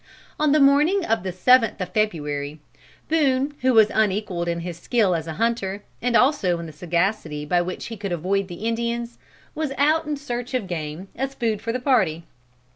On the morning of the seventh of February, Boone, who was unequalled in his skill as a hunter, and also in the sagacity by which he could avoid the Indians, was out in search of game as food for the party.